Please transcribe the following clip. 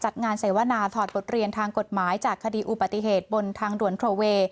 จัดงานเสวนาถอดบทเรียนทางกฎหมายจากคดีอุปติเหตุบนทางด่วนโทเวย์